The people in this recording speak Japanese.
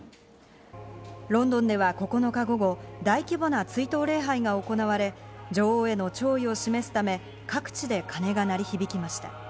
ロンドンでは９日午後、大規模な追悼礼拝が行われ、女王への弔意を示すため、各地で鐘が鳴り響きました。